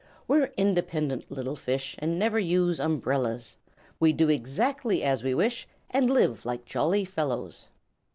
"We're independent little fish And never use umbrellas. We do exactly as we wish And live like jolly fellows."